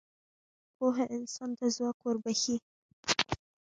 پوهه انسان ته ځواک وربخښي.